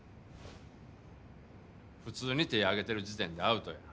普通に手ぇあげてる時点でアウトや。